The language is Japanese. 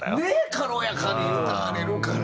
軽やかに歌われるから。